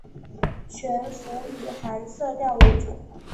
全幅以寒色调为主